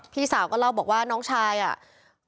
พี่สาวก็เล่าบอกว่าน้องชายอ่ะ